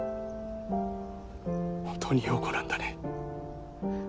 本当に葉子なんだね？